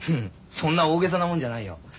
そんな大げさなもんじゃないよ。